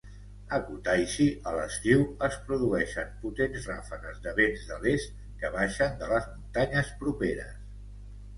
A Kutaisi, a l'estiu, es produeixen potents ràfegues de vents de l'est que baixen de les muntanyes properes.